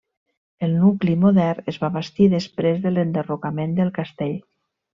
El nucli modern es va bastir després de l'enderrocament del castell.